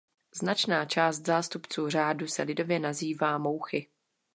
Značná část zástupců řádu se lidově nazývá mouchy.